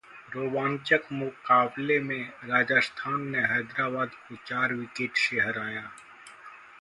रोमांचक मुकाबले में राजस्थान ने हैदराबाद को चार विकेट से हराया